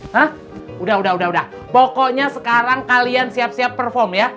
hah udah udah pokoknya sekarang kalian siap siap perform ya